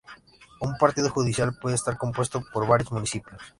Un partido judicial puede estar compuesto por varios municipios.